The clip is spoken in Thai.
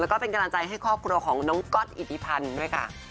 แล้วก็เป็นกำลังใจให้ครอบครัวของน้องก๊อตอิทธิพันธ์ด้วยค่ะ